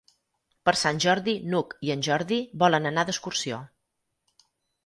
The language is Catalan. Per Sant Jordi n'Hug i en Jordi volen anar d'excursió.